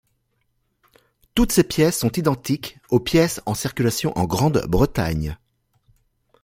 Toutes ces pièces sont identiques aux pièces en circulation en Grande-Bretagne.